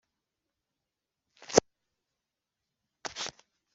Uburyo bwabo bwite burasekeje.